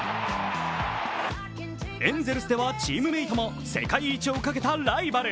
エンゼルスではチームメートも世界一をかけたライバル。